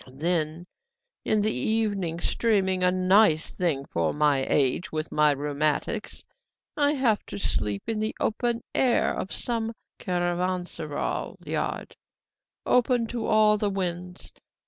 Then in the evening, streaming a nice thing for my age, with my rheumatics I have to sleep in the open air of some caravanseral yard, open to all the winds.